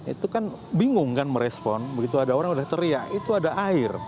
itu kan bingung kan merespon begitu ada orang udah teriak itu ada air